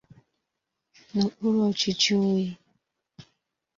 n'okpuru ọchịchị Oyi.